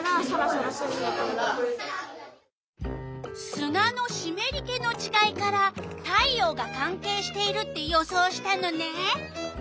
すなのしめり気のちがいから太陽がかんけいしているって予想したのね！